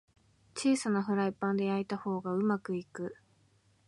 小さなフライパンで焼いた方がうまくいく